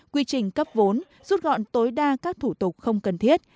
quy trình cấp vốn rút gọn tối đa các thủ tục không cần thiết